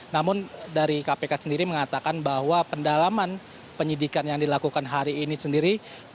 namun dari kpk sendiri mengatakan bahwa pendalaman penyidikan yang dilakukan hari ini sendiri